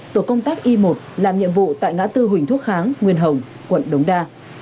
tổ công tác y một làm nhiệm vụ tại ngã tư huỳnh thúc kháng nguyên hồng quận đống đa